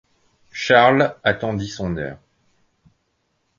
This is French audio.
Charles attendit son heure.